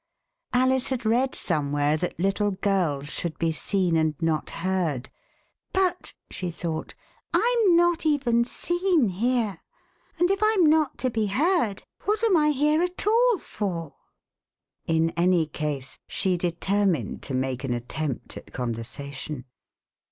Alice had read somewhere that little girls should be seen and not heard; but," she thought, Tm not even seen here, and if Tm not to be heard, what am I here at all for.'^" In any case she determined to make an attempt at con versation.